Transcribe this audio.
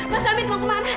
mas amin mau kemana